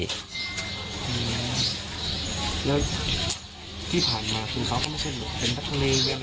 แล้วที่ผ่านมาคือเขาก็ไม่ใช่เป็นนักเลง